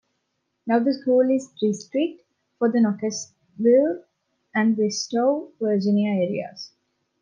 Now the school is district for the Nokesville and Bristow, Virginia areas.